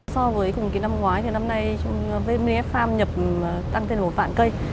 so với cùng cái năm ngoái thì năm nay vnf farm nhập tăng tên một vạn cây